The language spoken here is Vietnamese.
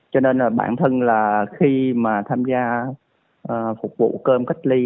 cho nên bản thân khi tham gia phục vụ cơm cách ly